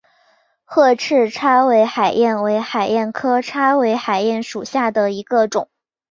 褐翅叉尾海燕为海燕科叉尾海燕属下的一个种。